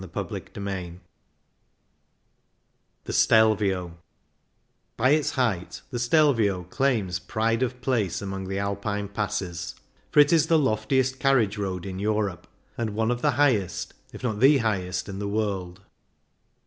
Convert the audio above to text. H Z o CHAPTER II THE STELVIO By Its height the Stejvio claims pride of place among the Alpine passes, for it is the loftiest carriage road in Europe, and one of the highest, if not the highest, in the world.